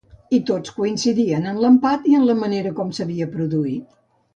I tots coincidien en l’empat i en la manera com s’havia produït.